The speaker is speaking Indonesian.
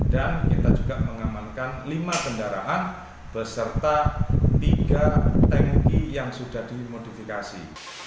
dan kita juga mengamankan lima kendaraan beserta tiga tangki yang sudah dimodifikasi